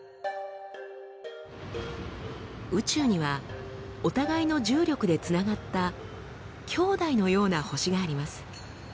宇宙にはお互いの重力でつながった兄弟のような星があります。